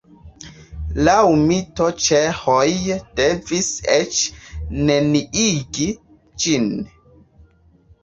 Laŭ mito ĉeĥoj devis eĉ neniigi ĝin.